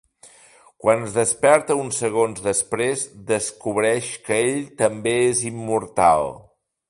Quan es desperta uns segons després, descobreix que ell també és immortal.